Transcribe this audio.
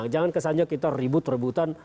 jangan kesannya kita ribut rebutan